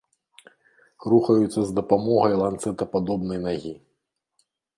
Рухаюцца з дапамогай ланцэтападобнай нагі.